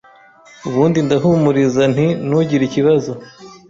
ubundi ndahumiriza nti nugire ikibazo